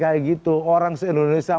siapa yang butuh pernyataan seperti itu